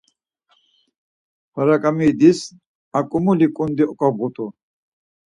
P̌araǩamindis a ǩumuli ǩundi oǩobğut̆u.